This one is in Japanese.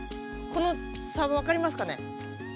この差分かりますかね？